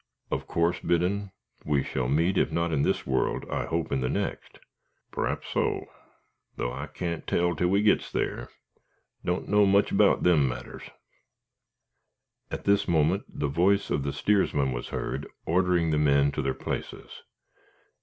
Of course, Biddon, we shall meet, if not in this world, I hope in the next." "P'r'aps so, though I can't tell till we gits there. Don't know much 'bout them matters, ogh!" At this moment the voice of the steersman was heard, ordering the men to their places.